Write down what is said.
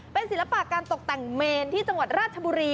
เป็นศิลปะการตกแต่งเมนที่จังหวัดราชบุรี